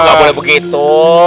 nggak boleh begitu